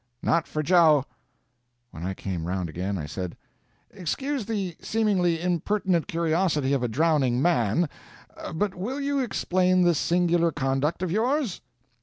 "Not for Joe." When I came round again, I said: "Excuse the seemingly impertinent curiosity of a drowning man, but will you explain this singular conduct of yours?"